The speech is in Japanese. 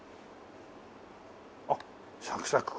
あっサクサク